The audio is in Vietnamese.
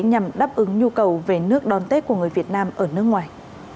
nhằm đáp ứng nhu cầu về nước đón tết của người việt nam ở nước ngoài